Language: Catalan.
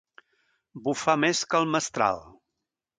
Bufar més que el mestral.